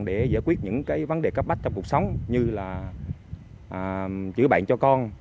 để giải quyết những cái vấn đề cấp bách trong cuộc sống như là chữa bệnh cho con